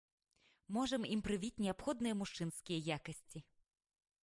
Можам ім прывіць неабходныя мужчынскія якасці.